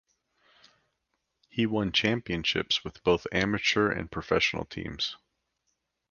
He won championships with both amateur and professional teams.